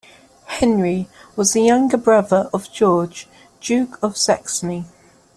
Henry was the younger brother of George, Duke of Saxony.